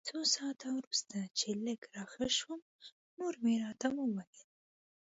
څو ساعته وروسته چې لږ راښه شوم مور مې راته وویل.